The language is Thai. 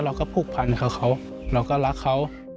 เราก็ผูกพันกับเขาเราก็รักเขา